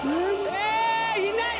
えー、いない？